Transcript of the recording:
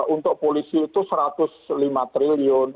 untuk polisi itu satu ratus lima triliun